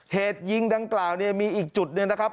เหตุยิงดังกล่าวเนี่ยมีอีกจุดหนึ่งนะครับ